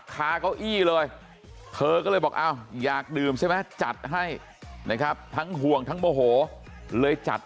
เขาก็เลยบอกอ้าไงอยากดื่มใช่มะจัดให้นะครับทั้งห่วงทั้งโบโหเลยจัด